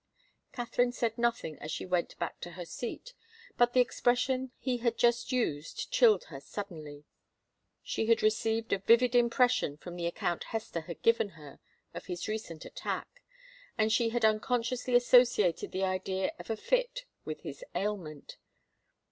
Katharine said nothing as she went back to her seat, but the expression he had just used chilled her suddenly. She had received a vivid impression from the account Hester had given her of his recent attack, and she had unconsciously associated the idea of a fit with his ailment.